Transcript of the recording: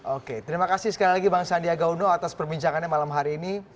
oke terima kasih sekali lagi bang sandiaga uno atas perbincangannya malam hari ini